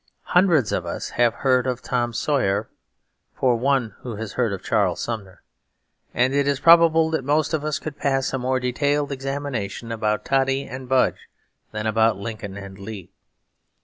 Hundreds of us have heard of Tom Sawyer for one who has heard of Charles Sumner; and it is probable that most of us could pass a more detailed examination about Toddy and Budge than about Lincoln and Lee.